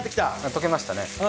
溶けましたね。